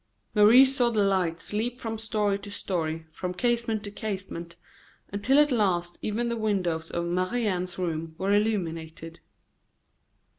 Maurice saw the lights leap from story to story, from casement to casement, until at last even the windows of Marie Anne's room were illuminated.